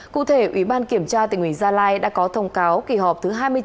cụ thể ủy ban kiểm tra tỉnh ủy gia lai đã có thông cáo kỳ họp thứ hai mươi chín